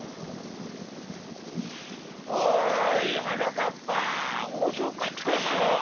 おいはなかっぱおそかったなあ。